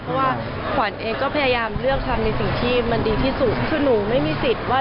เพราะว่าควันเองก็พยายามเลือกทำ